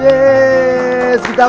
yes kita menang